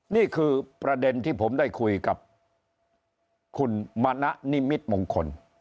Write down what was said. นี่คือประเด็นที่ผมได้คุยกับคุณมณะนิมิตมงคล